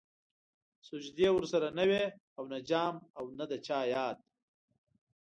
سجدې ورسره نه وې او نه جام او د چا ياد